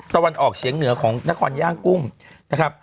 วันออกเฉียงเหนือของนครย่างกุ้งนะครับ